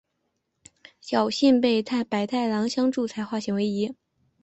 侥幸被百太郎相助才化险为夷。